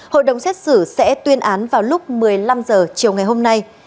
hội đồng xét xử sẽ tuyên án vào lúc một mươi năm h chiều ngày hôm nay